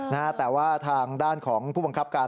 นะฮะแต่ว่าทางด้านของผู้บังคับการ